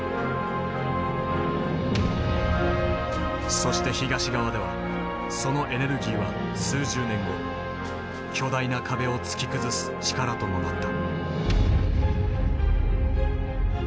そして東側ではそのエネルギーは数十年後巨大な壁を突き崩す力ともなった。